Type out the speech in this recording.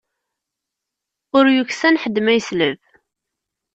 Ur yeksan ḥedd ma yesleb.